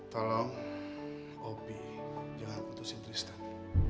tolong hobi jangan putusin tristan